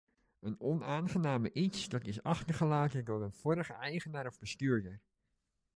Een onaangename iets dat is achtergelaten door een vorige eigenaar of bestuurder.